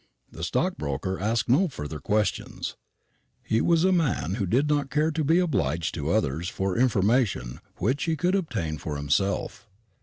The stockbroker asked no further questions. He was a man who did not care to be obliged to others for information which he could obtain for himself.